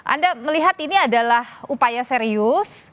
anda melihat ini adalah upaya serius